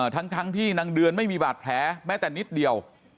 ทั้งที่นางเดือนไม่มีบาดแผลแม้แต่นิดเดียว